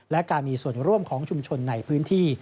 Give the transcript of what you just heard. และการมีส่วนร่วมของชุมชนในพื้นที่